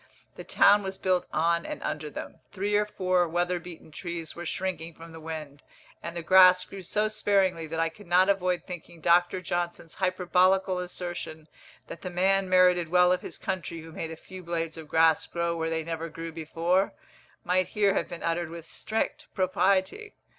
The town was built on and under them. Three or four weather beaten trees were shrinking from the wind, and the grass grew so sparingly that I could not avoid thinking Dr. Johnson's hyperbolical assertion "that the man merited well of his country who made a few blades of grass grow where they never grew before," might here have been uttered with strict propriety.